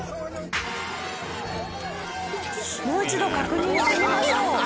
もう一度確認してみましょう。